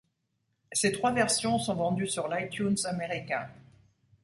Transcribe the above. Ces trois versions sont vendues sur l'iTunes américain.